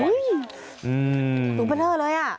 อือดูเผ็ดเท่าเลยอ่ะ